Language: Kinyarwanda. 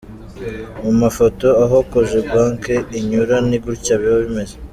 Mu mafoto, aho Cogebanque inyura ni gutya biba bimeze.